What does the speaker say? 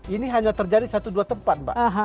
ini hanya terjadi satu dua tempat mbak